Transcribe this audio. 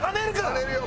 はねるよ。